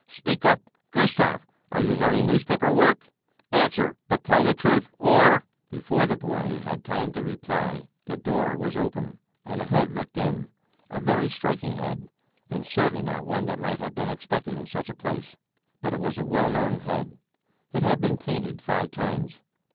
Speak up, Gustav, are you learning newspaper work? Answer, but tell the truth, or...." Before the boy had time to reply, the door was opened and a head looked in a very striking head, and certainly not one that might have been expected in such a place; but it was a well known head; it had been painted five times.